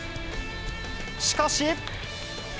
しかし。